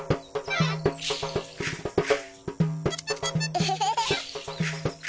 エヘヘヘ。